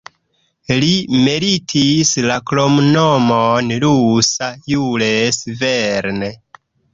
Li meritis la kromnomon "Rusa Jules Verne".